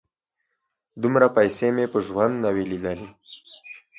_دومره پيسې مې په ژوند نه وې لېدلې.